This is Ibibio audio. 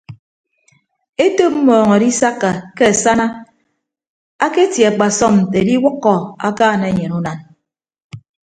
Etop mmọọñ adisakka ke asana aketie akpasọm nte ediwʌkkọ akaan enyen unan.